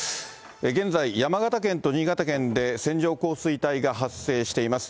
現在、山形県と新潟県で線状降水帯が発生しています。